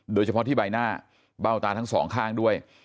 โดยเฉพาะที่ใบหน้าเบ้าตาทั้งสองข้างด้วย